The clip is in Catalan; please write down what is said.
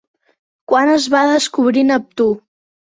Quan es va descobrir Neptú?